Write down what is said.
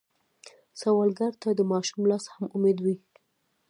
سوالګر ته د ماشوم لاس هم امید وي